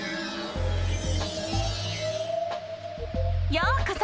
ようこそ！